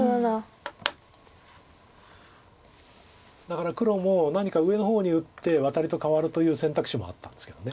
だから黒も何か上の方に打ってワタリと換わるという選択肢もあったんですけど。